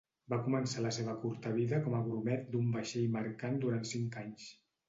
Va començar la seva curta vida com a grumet d'un vaixell mercant durant cinc anys.